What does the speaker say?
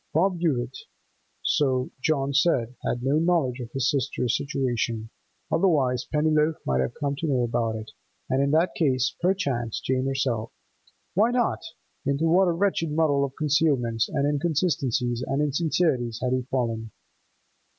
Bob Hewett—so John said—had no knowledge of his sister's situation, otherwise Pennyloaf might have come to know about it, and in that case, perchance, Jane herself. Why not? Into what a wretched muddle of concealments and inconsistencies and insincerities had he fallen!